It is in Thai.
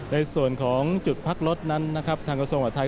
ในส่วนของจุดพักรถนั้นทางกระทรวงหวัดไทย